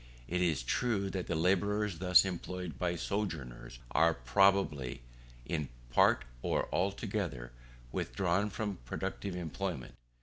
It is true that the labourers thus employed by sojourners are probably, in part or altogether, withdrawn from productive employment.